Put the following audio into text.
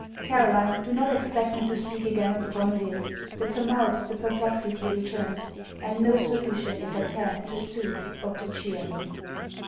Caroline, do not expect me to speak again of Bonneville. The tumult, the perplexity returns; and no solution is at hand to soothe or to cheer me.